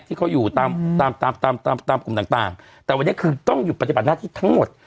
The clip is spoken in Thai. ที่เขาอยู่ตามตามตามกลุ่มต่างต่างแต่วันนี้คือต้องหยุดปฏิบัติหน้าที่ทั้งหมด